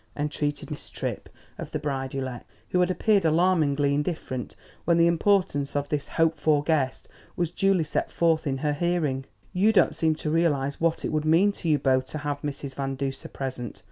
entreated Miss Tripp of the bride elect, who had appeared alarmingly indifferent when the importance of this hoped for guest was duly set forth in her hearing. "You don't seem to realise what it would mean to you both to have Mrs. Van Duser present.